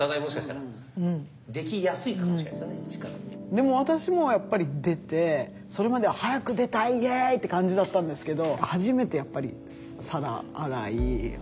でも私もやっぱり出てそれまでは「早く出たいイエイ！」って感じだったんですけど